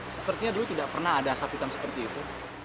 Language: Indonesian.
sepertinya dulu tidak pernah ada asap hitam seperti itu